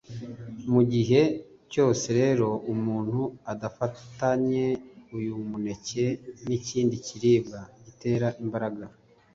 Mu gihe cyose rero umuntu adafatanye uyu muneke n’ikindi kiribwa gitera imbaraga